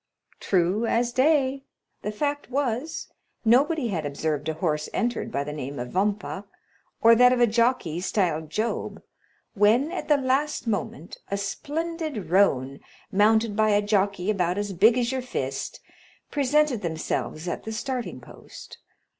"True as day. The fact was, nobody had observed a horse entered by the name of Vampa, or that of a jockey styled Job, when, at the last moment, a splendid roan, mounted by a jockey about as big as your fist, presented themselves at the starting post.